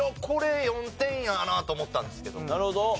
これ４点やなと思ったんですけど。